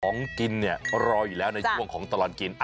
ของกินเนี่ยรออยู่แล้วในช่วงของตลอดกิน